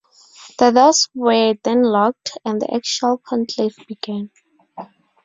The doors were then locked, and the actual Conclave began.